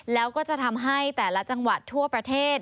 แล้วก็จะทำให้แต่ละจังหวัดทั่วประเทศ